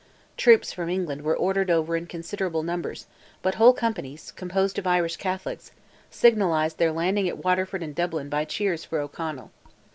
Troops from England were ordered over in considerable numbers, but whole companies, composed of Irish Catholics, signalized their landing at Waterford and Dublin by cheers for O'Connell.